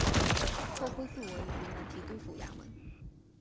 后恢复为云南提督府衙门。